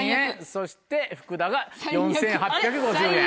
そして福田が４８５０円。